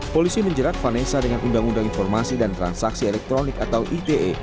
polisi menjerat vanessa dengan undang undang informasi dan transaksi elektronik atau ite